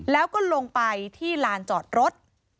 แล้วก็ลงไปที่ลานจอดรถ